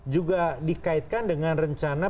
juga dikaitkan dengan rencana